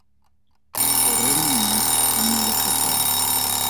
Goreng mme a na le kgetsana?